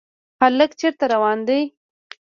هلک چېرته روان دی ؟